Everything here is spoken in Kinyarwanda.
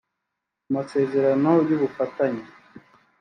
amasezerano y’ubufatanye